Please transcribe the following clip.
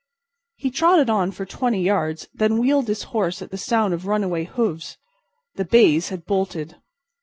He trotted on for twenty yards, and then wheeled his horse at the sound of runaway hoofs. The bays had bolted.